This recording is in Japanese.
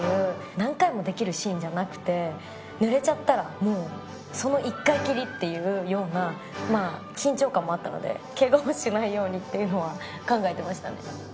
何回もできるシーンじゃなくて、ぬれちゃったらもうその一回きりっていうような、緊張感もあったので、けがをしないようにっていうのは考えてましたね。